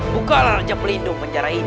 bukalah raja pelindung penjara ini